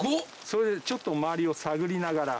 それでちょっと周りを探りながら。